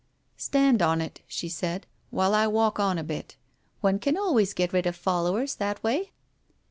"Stand on it," she said, "while I walk on a bit. One can always get rid of followers that way."